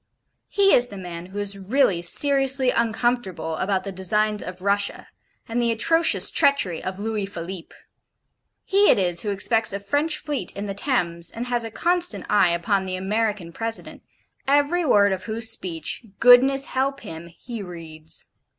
He is the man who is really seriously uncomfortable about the designs of Russia, and the atrocious treachery of Louis Philippe. He it is who expects a French fleet in the Thames, and has a constant eye upon the American President, every word of whose speech (goodness help him!) he reads.